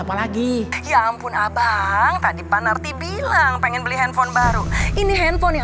apalagi ya ampun abang tadi pak narti bilang pengen beli handphone baru ini handphone yang